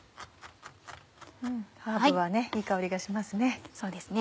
ハーブはいい香りがしますね。